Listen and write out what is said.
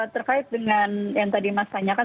terkait dengan yang tadi mas tanya kan